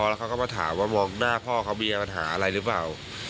แล้วเขาก็มาถามว่ามองหน้าพ่อเขามีปัญหาอะไรหรือเปล่า